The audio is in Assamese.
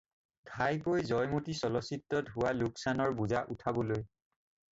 ঘাইকৈ জয়মতী চলচ্চিত্ৰত হোৱা লোকচানৰ বোজা উঠাবলৈ।